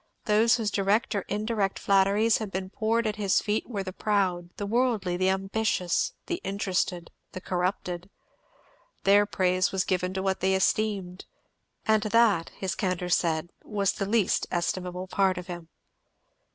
Those whose direct or indirect flatteries had been poured at his feet were the proud, the worldly, the ambitious, the interested, the corrupted; their praise was given to what they esteemed, and that, his candour said, was the least estimable part of him.